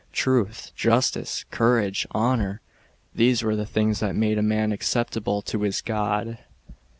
Truth, justice, courage, honour, these were the things, that made a man acceptable to his God.